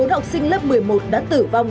bốn học sinh lớp một mươi một đã tử vong